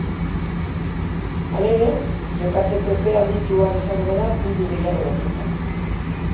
Halere, jokatzeko epea handitu ahal izango da puntu gehiago lortuta.